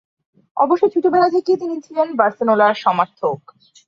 অবশ্য ছোটবেলা থেকেই তিনি ছিলেন বার্সেলোনার সমর্থক।